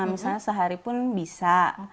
misalnya sehari pun bisa